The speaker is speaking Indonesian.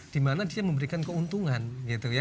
dimana dia memberikan keuntungan gitu ya